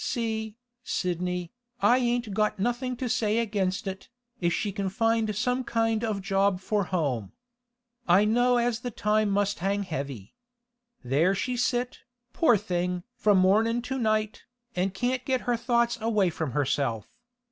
See, Sidney, I ain't got nothing to say against it, if she can find some kind of job for home. I know as the time must hang heavy. There she sit, poor thing! from mornin' to night, an' can't get her thoughts away from herself.